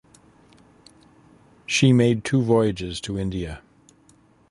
She made two voyages to India.